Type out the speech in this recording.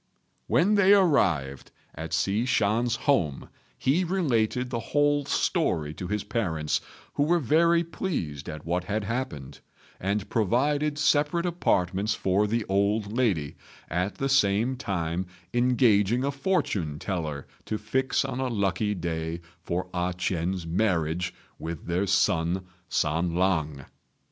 When they arrived at Hsi Shan's home he related the whole story to his parents, who were very pleased at what had happened, and provided separate apartments for the old lady, at the same time engaging a fortune teller to fix on a lucky day for A ch'ien's marriage with their son San lang.